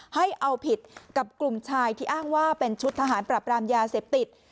ให้เอาผิดกับกลุ่มชายที่อ้างว่าเป็นชุดทหารปรับรามยาเสพติด